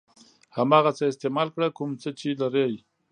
هماغه څه استعمال کړه کوم څه چې لرئ.